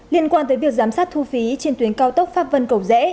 liên quan tới việc giám sát thu phí trên tuyến cao tốc pháp vân cầu rẽ